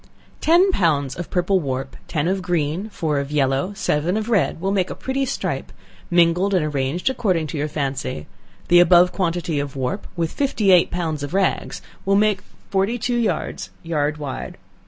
Ten pounds of purple warp, ten of green, four of yellow, seven of red, will make a pretty stripe, mingled and arranged according to your fancy; the above quantity of warp, with fifty eight pounds of rags will make forty two yards, yard wide.